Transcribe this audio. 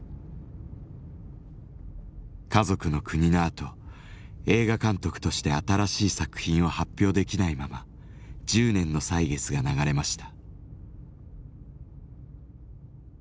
「かぞくのくに」のあと映画監督として新しい作品を発表できないまま１０年の歳月が流れました。